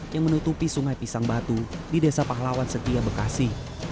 yang menutupi sungai pisang batu di desa pahlawan setia bekasi